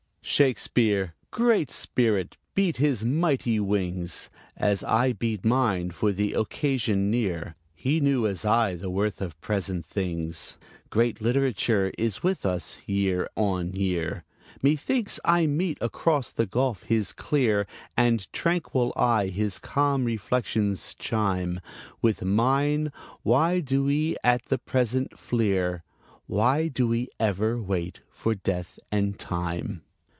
Shakespeare, great spirit, beat his mighty wings, As I beat mine, for the occasion near. He knew, as I, the worth of present things: Great literature is with us year on year. Methinks I meet across the gulf his clear And tranquil eye; his calm reflections chime With mine: "Why do we at the present fleer? Why do we ever wait for Death and Time?"